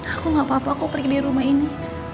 aku gak apa apa aku pergi dari rumah ini